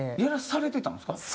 やらされてたんですか？